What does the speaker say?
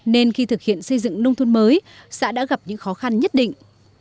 nên khi thực hiện xây dựng nông thôn mới xã đã gặp những khó khăn nhất định